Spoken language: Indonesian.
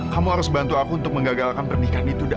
kamu harus bantu aku untuk menggagalkan pernikahan itu dah